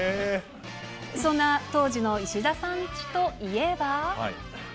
そんな当時の石田さんチといえば。